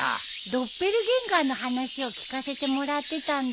ドッペルゲンガーの話を聞かせてもらってたんだよ。